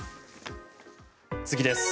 次です。